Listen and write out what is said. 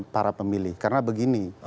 para pemilih karena begini